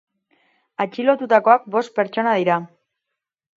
Atxilotutakoak bost pertsona dira.